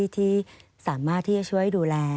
ที่สามารถที่จะช่วยดูแล